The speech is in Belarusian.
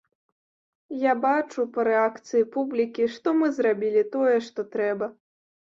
Я бачу па рэакцыі публікі, што мы зрабілі тое, што трэба.